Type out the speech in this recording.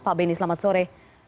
pak benny selamat sore